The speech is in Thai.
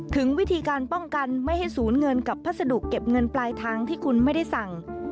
ถึงวิธีการป้องกันไม่ให้ศูนย์เงินกับพัสดุเก็บเงินปลายทางที่คุณไม่ได้สั่ง